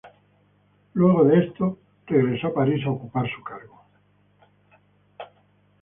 Luego de esto regresa a París a ocupar su cargo.